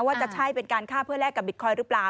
ว่าจะใช่เป็นการฆ่าเพื่อแลกกับบิตคอยน์หรือเปล่า